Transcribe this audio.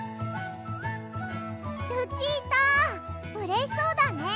ルチータうれしそうだね。